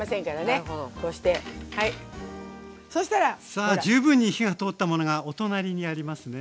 さあ十分に火が通ったものがお隣にありますね。